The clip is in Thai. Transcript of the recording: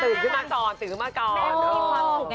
ตื่นขึ้นมาก่อน